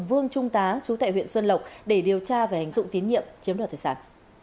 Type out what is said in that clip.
vương trung tá chú tại huyện xuân lộc để điều tra về hành dụng tín nhiệm chiếm đoạt tài sản